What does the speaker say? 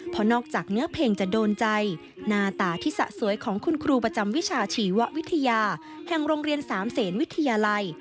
เพราะนอกจากเนื้อเพลงจะโดนใจหน้าตาที่สะสวยของคุณครูประจำวิชาชีววิทยาแห่งโรงเรียนสามเศษวิทยาลัย